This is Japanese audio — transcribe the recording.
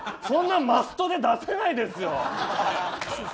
そんなのマストで出せないですよ！